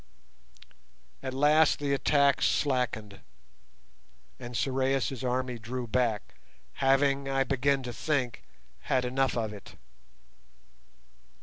At last the attacks slackened, and Sorais' army drew back, having, I began to think, had enough of it.